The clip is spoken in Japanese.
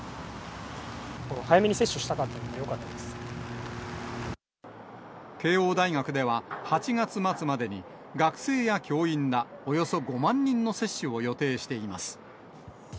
早めに接種したかったので、慶応大学では、８月末までに学生や教員らおよそ５万人の接種を予定しています。